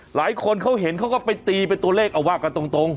หลายคนเขาเห็นเขาก็ไปตีเป็นตัวเลขเอาว่ากันตรง